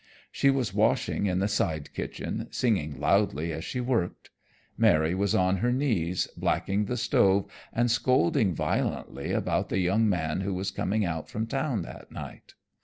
She was washing in the side kitchen, singing loudly as she worked. Mary was on her knees, blacking the stove and scolding violently about the young man who was coming out from town that night.